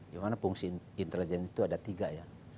dimana fungsi intelijen itu ada tiga ya